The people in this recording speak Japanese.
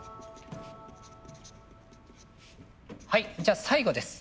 はいじゃあ最後です。